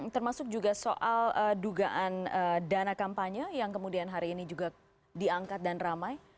termasuk juga soal dugaan dana kampanye yang kemudian hari ini juga diangkat dan ramai